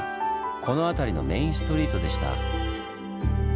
この辺りのメインストリートでした。